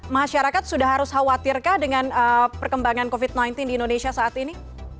masyarakat sudah harus khawatirkah dengan perkembangan covid sembilan belas di indonesia saat ini